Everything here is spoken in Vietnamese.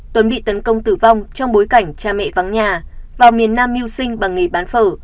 tuấn bị tấn công tử vong trong bối cảnh cha mẹ vắng nhà vào miền nam mưu sinh bằng nghề bán phở